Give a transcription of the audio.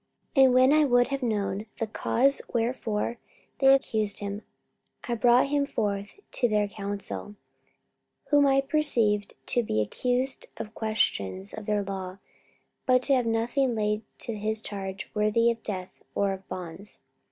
44:023:028 And when I would have known the cause wherefore they accused him, I brought him forth into their council: 44:023:029 Whom I perceived to be accused of questions of their law, but to have nothing laid to his charge worthy of death or of bonds.